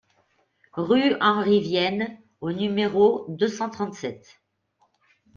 Rue Henri Vienne au numéro deux cent trente-sept